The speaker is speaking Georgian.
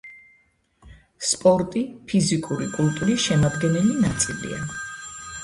სპორტი — ფიზიკური კულტურის შემადგენელი ნაწილია.